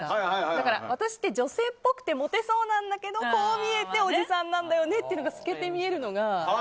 だから、私って女性っぽくてモテそうなんだけどこう見えておじさんなんだよねとかいうのが透けて見えるのが。